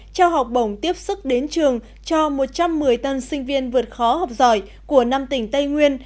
trao học bổng tiếp sức đến trường cho một trăm một mươi tân sinh viên vượt khó học giỏi của năm tỉnh tây nguyên